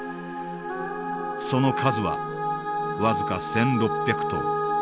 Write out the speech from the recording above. その数は僅か１６００頭。